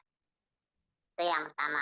itu yang pertama